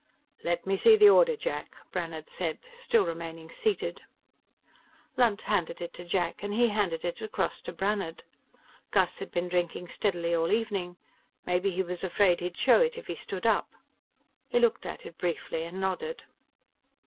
"Let me see the order, Jack," Brannhard said, still remaining seated. Lunt handed it to Jack, and he handed it across to Brannhard. Gus had been drinking steadily all evening; maybe he was afraid he'd show it if he stood up. He looked at it briefly and nodded.